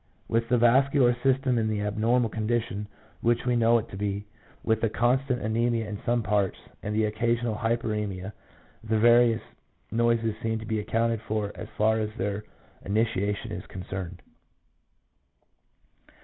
With the vascular system in the abnormal condition which we know it to be, with the constant anemia in some parts, and the occasional hypersemia, the various noises seem to be accounted for as far as their initiation is concerned.